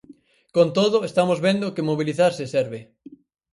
Con todo, estamos vendo que mobilizarse serve.